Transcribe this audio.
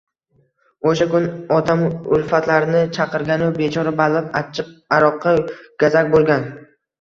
O’sha kun otam ulfatlarini chaqirganu bechora baliq achchiq aroqqa gazak bo’lgan.